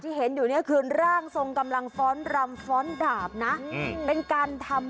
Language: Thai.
ที่เห็นอยู่นี่คือร่างทรงกำลังฟ้อนดาบเป็นการทำ